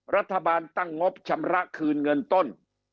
รัฐบาลตั้งงบชำระคืนเงินต้น